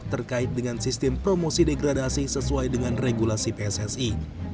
terkait dengan sistem promosi degradasi sesuai dengan regulasi pssi